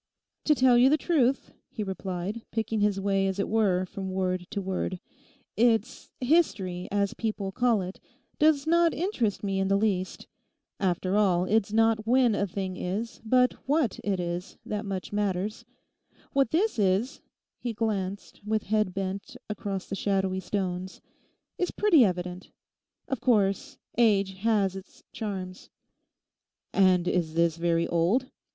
'To tell you the truth,' he replied, picking his way as it were from word to word, 'it's "history," as people call it, does not interest me in the least. After all, it's not when a thing is, but what it is, that much matters. What this is'—he glanced, with head bent, across the shadowy stones, 'is pretty evident. Of course, age has its charms.' 'And is this very old?